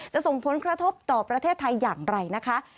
ส่งผลกระทบต่อประเทศไทยอย่างไรนะคะ